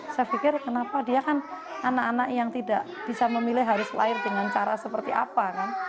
saya pikir kenapa dia kan anak anak yang tidak bisa memilih harus lahir dengan cara seperti apa kan